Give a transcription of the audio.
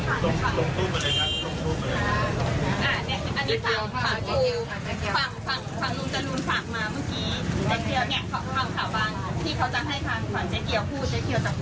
จ้าเกียวจะพูดไหมคะ